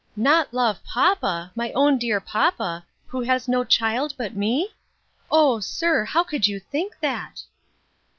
"Not love papa, my own dear papa, who has no child but me? Oh! sir, how could you think that?"